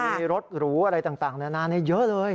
มีรถหรูอะไรต่างนานาเยอะเลย